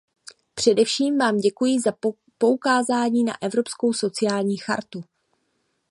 Především vám děkuji za poukázání na Evropskou sociální chartu.